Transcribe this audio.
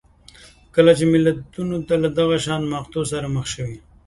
کله چې نور ملتونه له دغه شان مقطعو سره مخ شوي